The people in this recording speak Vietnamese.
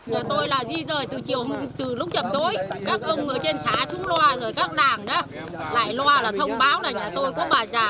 giờ tôi là di rời từ chiều từ lúc chập tối các ông ở trên xã xuống loa rồi các nàng đó lại loa là thông báo là nhà tôi có bà già